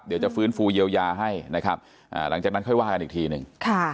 เดี๋ยวจะฟื้นฟูเยียวยาให้นะครับหลังจากนั้นค่อยว่ากันอีกทีหนึ่ง